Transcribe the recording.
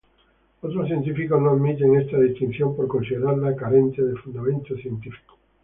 Otros científicos no admiten esta distinción, por considerarla carente de fundamento científico.